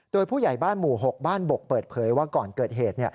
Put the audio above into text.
โดยผู้ใหญ่บ้านหมู่๖บ้านบกเปิดเผยว่าก่อนเกิดเหตุ